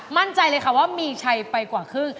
มั่นใจเลยค่ะว่ามีชัยไปกว่าครึ่ง